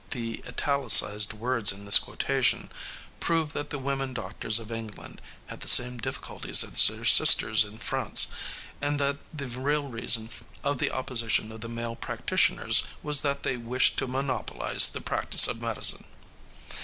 '" The italicized words in this quotation prove that the women doctors of England had the same difficulties as their sisters in France, and that the real reason of the opposition of the male practitioners was that they wished to monopolize the practice of medicine.